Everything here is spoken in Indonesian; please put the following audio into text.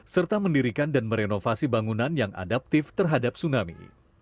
serta mendirikan dan merenovasi bangunan yang adaptif terhadap tsunami